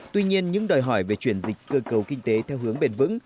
tuy nhiên những đòi hỏi về chuyển dịch cơ cầu kinh tế theo hướng bền vững